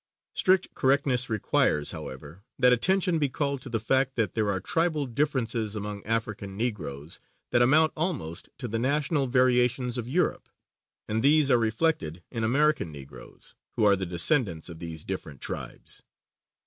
Strict correctness requires, however, that attention be called to the fact that there are tribal differences among African Negroes that amount almost to the national variations of Europe; and these are reflected in American Negroes, who are the descendants of these different tribes.